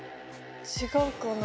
違うかな？